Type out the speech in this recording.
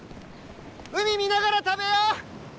海見ながら食べよう！